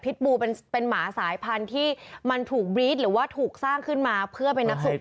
บูเป็นหมาสายพันธุ์ที่มันถูกบรี๊ดหรือว่าถูกสร้างขึ้นมาเพื่อเป็นนักสู้